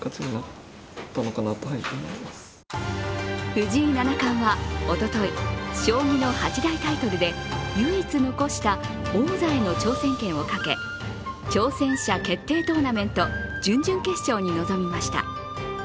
藤井七冠は、おととい将棋の八大タイトルで唯一残した王座への挑戦権をかけ挑戦者決定トーナメント準々決勝に臨みました。